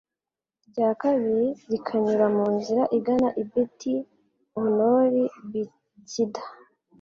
rya kabiri rikanyura mu nzira igana i beti horoni b itsinda